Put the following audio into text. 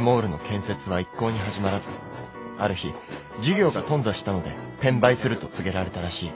モールの建設は一向に始まらずある日事業が頓挫したので転売すると告げられたらしい。